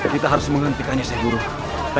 kita harus menghentikannya secara buruk